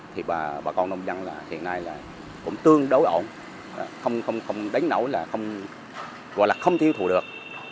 thì bà con nông dân hiện nay cũng tương đối ổn không đánh nấu gọi là không thiêu thủ được